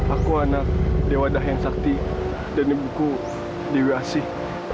aku anak dewa dahyang sakti dan ibu ku dewi asih